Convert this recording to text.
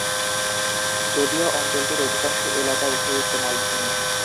যদিও অঞ্চলটির অধিকাংশ এলাকা একটি উচ্চ মালভূমি।